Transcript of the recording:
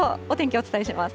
お伝えします。